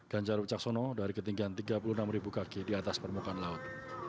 ganjar wicaksono dari ketinggian tiga puluh enam kaki di atas permukaan laut